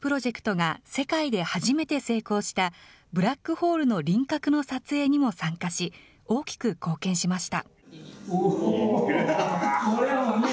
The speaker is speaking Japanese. ２０１９年、国際プロジェクトが世界で初めて成功したブラックホールの輪郭の撮影にも参加し、大きく貢献しました。